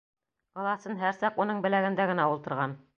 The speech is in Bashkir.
Ыласын һәр саҡ уның беләгендә генә ултырған.